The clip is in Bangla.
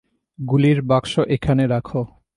গুলির বাক্স এখানে রাখ।